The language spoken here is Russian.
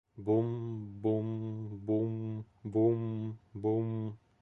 Бум, бум, бум, бум, бум.